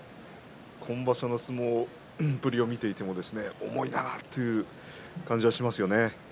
今場所の相撲っぷりを見ていても重いなという感じがしますよね。